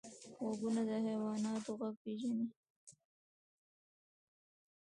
غوږونه د حیواناتو غږ پېژني